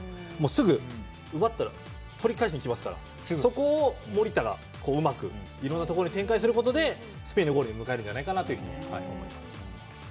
すぐ奪ったら取り返してきますから、そこをうまく、いろんなところに展開することでスペインのゴールに向かえると思います。